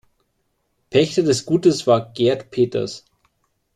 Pächter des Gutes war Gerd Peters.